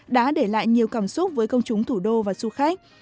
đã để lại nhiều cảm xúc với công chúng thủ đô và du khách